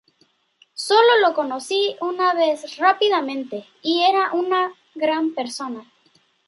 Sólo lo conocí una vez rápidamente y era una gran persona.